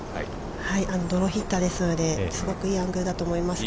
◆ドローヒッターですので、すごくいいアングルだと思います。